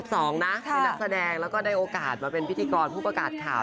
เป็นนักแสดงแล้วก็ได้โอกาสมาเป็นพิธีกรผู้ประกาศข่าว